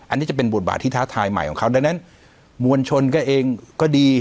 อันนี้จะเป็นบทบาทที่ท้าทายใหม่ของเขาดังนั้นมวลชนก็เองก็ดี